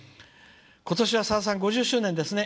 今年は、さださん５０周年ですね。